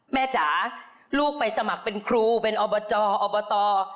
จ๋าลูกไปสมัครเป็นครูเป็นอบจอบต